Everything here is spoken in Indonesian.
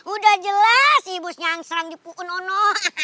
udah jelas si bos yang serang dipu'un ono